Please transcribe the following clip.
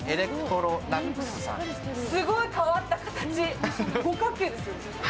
すごい変わった形。